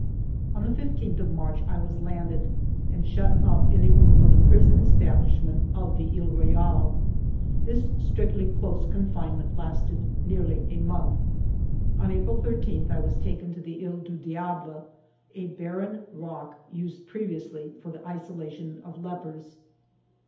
On the 15th of March I was landed and shut up in a room of the prison establishment of the He Royale. This strictly close confinement lasted nearly a month. On April 13 I was taken to the He du Diable, a barren rock used previously for the isolation of lepers.